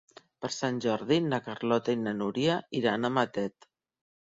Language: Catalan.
Per Sant Jordi na Carlota i na Núria iran a Matet.